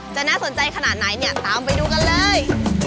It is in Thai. จะน่าสนใจขนาดไหนเนี่ยตามไปดูกันเลย